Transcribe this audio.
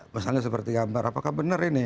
misalnya seperti gambar apakah benar ini